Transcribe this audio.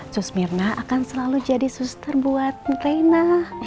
sus mirna akan selalu jadi suster buat raina